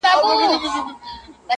خدایه هغه مه اخلې زما تر جنازې پوري.